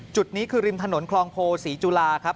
จุดนี้คือริมถนนคลองโพศรีจุฬาครับ